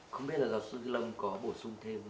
không biết là luật sư lâm có bổ sung thêm